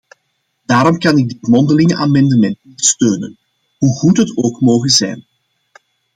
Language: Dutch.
Daarom kan ik dit mondelinge amendement niet steunen, hoe goed het ook moge zijn.